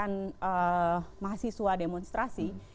dengan gerakan mahasiswa demonstrasi